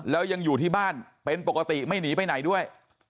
แล้วยังอยู่ที่บ้านเป็นปกติไม่หนีไปไหนด้วย